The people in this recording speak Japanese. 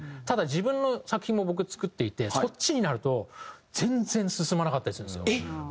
ただ自分の作品も僕作っていてそっちになると全然進まなかったりするんですよ。